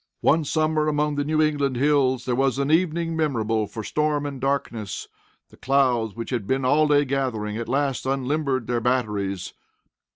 One summer among the New England hills there was an evening memorable for storm and darkness. The clouds, which had been all day gathering, at last unlimbered their batteries.